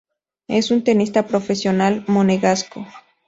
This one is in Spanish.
Es un tenista profesional monegasco.